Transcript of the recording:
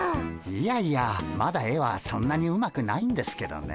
いやいやまだ絵はそんなにうまくないんですけどね。